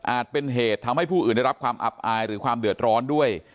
เป็นเหตุทำให้ผู้อื่นได้รับความอับอายหรือความเดือดร้อนด้วย